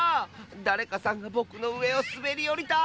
だれかさんがぼくのうえをすべりおりた！